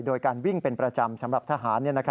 โดยการวิ่งเป็นประจำสำหรับทหาร